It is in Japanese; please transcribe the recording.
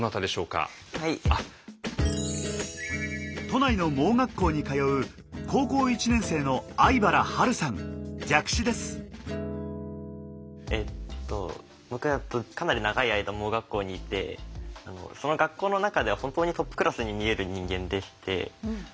都内の盲学校に通うえっと僕はかなり長い間盲学校にいてその学校の中では本当にトップクラスに見える人間でして。